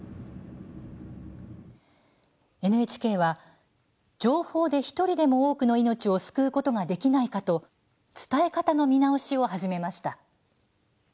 ＮＨＫは情報で１人でも多くの命を救うことができないかと伝え方の見直しを始めました。